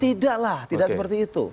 tidaklah tidak seperti itu